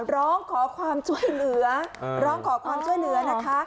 ร้องขอความช่วยเหลือร้องขอความช่วยเหลือนะคะ